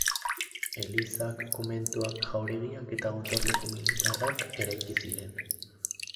Elizak, komentuak, jauregiak eta gotorleku militarrak eraiki ziren.